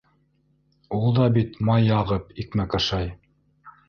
Ул да бит май яғып икмәк ашай.